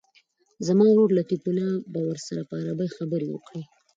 زما ورور لطیف الله به ورسره په عربي خبرې وکړي.